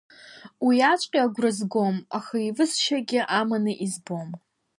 Уиҵәҟьа агәра згом, аха еивысшьакгьы Аманы избом.